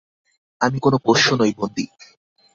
আমি কোনো পোষ্য নই, বন্দী।